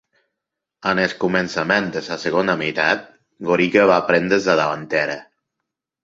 Al començament de la segona meitat, Gorica va prendre la davantera.